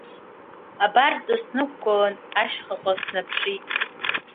Абарҵа снықәгылан, ашьхаҟа снаԥшит.